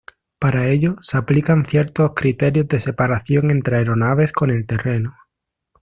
Para ello, se aplican ciertos criterios de separación entre aeronaves con el terreno.